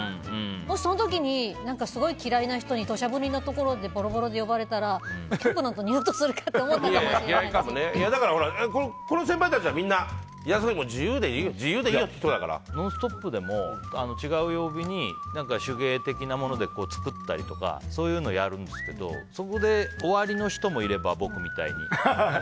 もしその時に、すごい嫌いな人に土砂降りなところでボロボロで呼ばれたらキャンプなんてだから、この先輩たちはみんな「ノンストップ！」でも違う曜日に手芸的なもので作ったりとかそういうのやるんですけどそこで終わりの人もいれば僕みたいに。